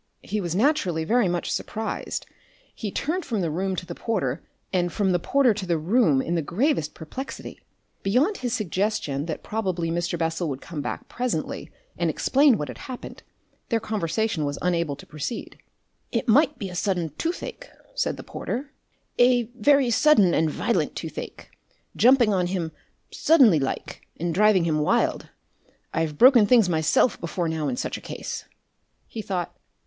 He was naturally very much surprised. He turned from the room to the porter and from the porter to the room in the gravest perplexity. Beyond his suggestion that probably Mr. Bessel would come back presently and explain what had happened, their conversation was unable to proceed. "It might be a sudden toothache," said the porter, "a very sudden and violent toothache, jumping on him suddenly like and driving him wild. I've broken things myself before now in such a case..." He thought.